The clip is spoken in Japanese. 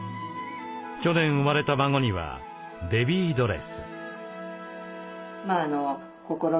去年生まれた孫にはベビードレス。